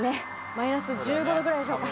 マイナス１５℃ぐらいでしょうか。